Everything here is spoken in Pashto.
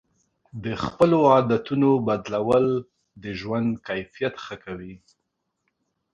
د خپلو عادتونو بدلول د ژوند کیفیت ښه کوي.